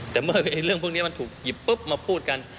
แต่เมื่อเรื่องพวกนี้มันถูกหยิบปุ๊บมาพูดกัน